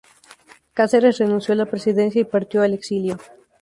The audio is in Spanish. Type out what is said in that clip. Cáceres renunció a la presidencia y partió al exilio.